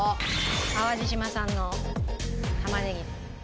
淡路島産の玉ねぎ。